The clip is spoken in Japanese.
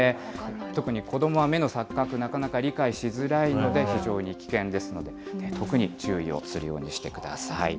特に子どもは目の錯覚、なかなか理解しづらいので、非常に危険ですので、特に注意をするようにしてください。